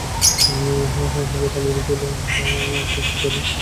হযরত আলী রাযিয়াল্লাহু আনহু আমরকে একটি আক্রমণও করেন না।